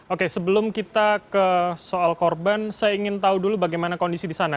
oke sebelum kita ke soal korban saya ingin tahu dulu bagaimana kondisi di sana